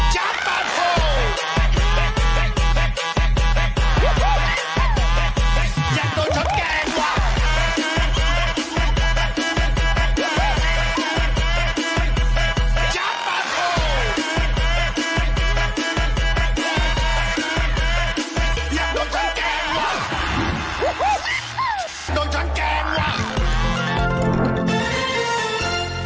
จ๊ะตอนนี้หมดเวลาแล้วต้องลาไปก่อนสวัสดีค่ะสวัสดีค่ะสวัสดีค่ะ